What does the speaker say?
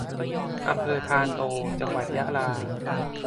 อำเภอธารโต จังหวัดยะลา